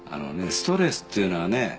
ストレスっていうのはね